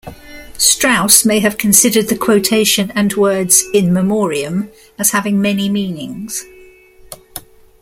Strauss may have considered the quotation and words "in memoriam" as having many meanings.